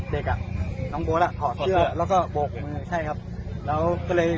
เด็กอ่ะน้องโบ๊ทอ่ะถอดเสื้อแล้วก็โบกผมใช่ครับแล้วก็เลย